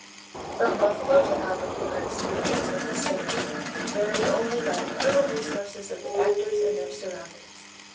From Buffalo to Albany our experience was the same, varied only by the fertile resources of the actors and their surroundings.